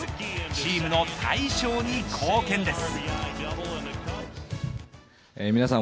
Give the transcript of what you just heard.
チームの大勝に貢献です。